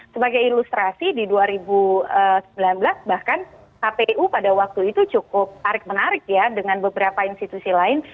sebagai ilustrasi di dua ribu sembilan belas bahkan kpu pada waktu itu cukup tarik menarik ya dengan beberapa institusi lain